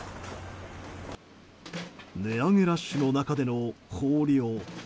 値上げラッシュの中での豊漁。